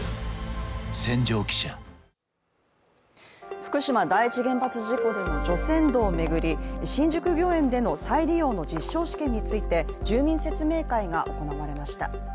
福島第一原発事故での除染土を巡り、新宿御苑での再利用の実証試験について住民説明会が行われました。